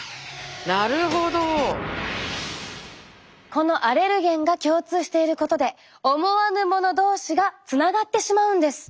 このアレルゲンが共通していることで思わぬもの同士がつながってしまうんです。